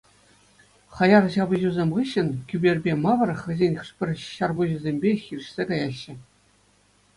Хаяр ҫапӑҫусем хыҫҫӑн Кӳперпа Мавр хӑйсен хӑшпӗр ҫарпуҫӗсемпе хирӗҫсе каяҫҫӗ.